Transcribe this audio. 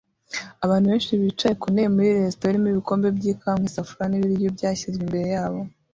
Abantu benshi bicaye ku ntebe muri resitora irimo ibikombe by'ikawa mu isafuriya n'ibiryo byashyizwe imbere yabo